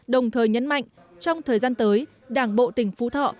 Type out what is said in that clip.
đồng thời nhấn mạnh trong thời gian tới đảng bộ tỉnh phú thọ